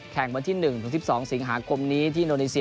แข่งวันที่๑๑๒สิงหาคมนี้ที่โดนีเซีย